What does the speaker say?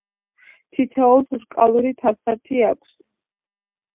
თითოეულს რკალური თავსართი აქვს.